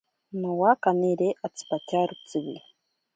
Nowa kaniri otsipatyaro tsiwi.